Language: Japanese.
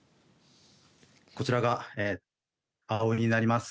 こちらが葵になります。